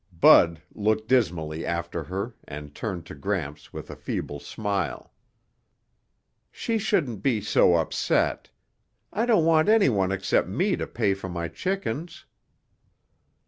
Bud looked dismally after her and turned to Gramps with a feeble smile. "She shouldn't be so upset. I don't want anyone except me to pay for my chickens."